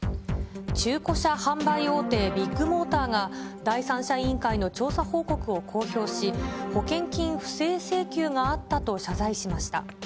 中古車販売大手、ビッグモーターが、第三者委員会の調査報告を公表し、保険金不正請求があったと謝罪しました。